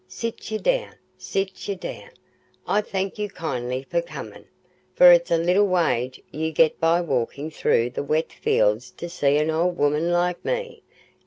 Sit ye down; sit ye down. I thank you kindly for comin', for it's little wage ye get by walkin' through the wet fields to see an old woman like me....